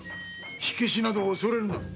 火消しなど恐れるな。